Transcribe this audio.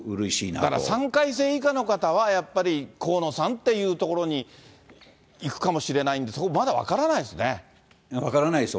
だから３回生以下の方は、やっぱり河野さんっていうところにいくかもしれないんで、そこはまだ分からないですね。